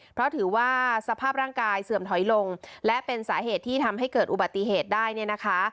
เพราะถือว่าสภาพร่างกายเสื่อมถอยลงและเป็นสาเหตุที่ทำให้เกิดอุบัติเหตุได้เนี่ยนะคะ